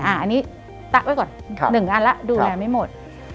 อันนี้ตะไว้ก่อน๑อันแล้วดูแลไม่หมด